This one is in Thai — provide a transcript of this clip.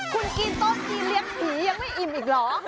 คุณกินต้มที่เลี้ยงผียังไม่อิ่มอีกเหรอ